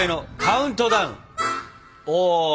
お。